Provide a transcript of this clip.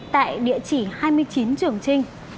tại địa chỉ hai mươi chín trường trinh